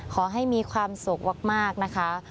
ขอให้มีความสุขมากนะคะ